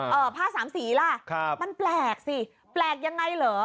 ผ้าสามสีล่ะครับมันแปลกสิแปลกยังไงเหรอ